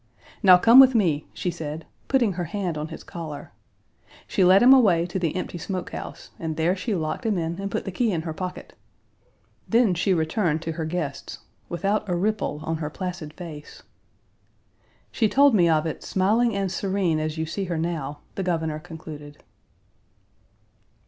"Now come with me," she said, putting her hand on his collar. She led him away to the empty smoke house, and there she locked him in and put the key in her pocket. Then she returned to her guests, without a ripple on her placid face. "She told me of it, smiling and serene as you see her now," the Governor concluded.